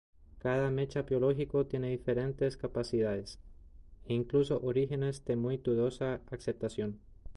Cada "mecha" biológico tiene diferentes capacidades, e incluso orígenes de muy dudosa aceptación.